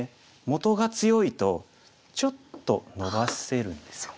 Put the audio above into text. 元が強いとちょっとのばせるんですよ。